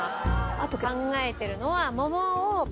あと考えてるのは桃を。